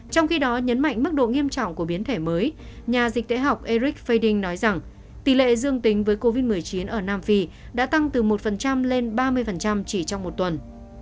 trong khi đó nhấn mạnh mức độ nghiêm trọng của biến thể mới nhà dịch tễ học eric fading nói rằng tỷ lệ dương tính với covid một mươi chín ở nam phi đã tăng từ một lên ba mươi chỉ trong một tuần